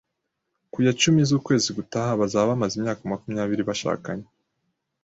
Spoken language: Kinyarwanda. Ku ya cumi z'ukwezi gutaha, bazaba bamaze imyaka makumyabiri bashakanye